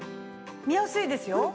見やすいですよ。